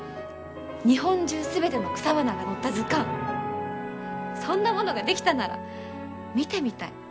日本中全ての草花が載った図鑑そんなものが出来たなら見てみたい。